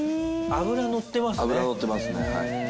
脂のってますねはい。